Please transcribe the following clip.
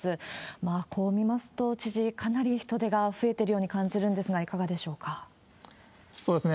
まあ、こう見ますと知事、かなり人出が増えてるように感じるんですが、そうですね。